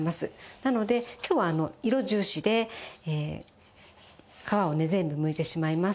なので今日は色重視で皮をね全部むいてしまいます。